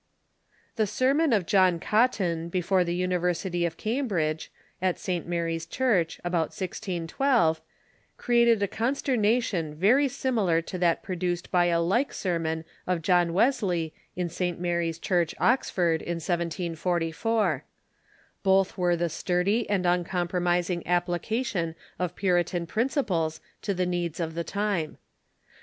The sermon of John Cotton before the University of Cam bridge, at St. Mary's Church, about 1612, created a consterna tion very similar to that produced by a like sermon of ^°"°" John Wesley in St. Mary's Church, Oxford, in 1V44. Both were the sturdy and uncompromising application of Pu ritan principles to the needs of the time.